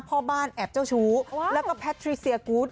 พ่อบ้านแอบเจ้าชู้แล้วก็แพทริเซียกูธ